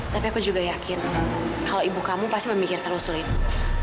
tapi aku juga yakin kalau ibu kamu pasti memikirkan usul itu